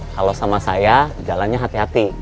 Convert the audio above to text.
kalau sama saya jalannya hati hati